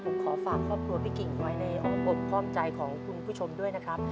ผมขอฝากครอบครัวพี่กิ่งไว้ในอ้อมอกอ้อมใจของคุณผู้ชมด้วยนะครับ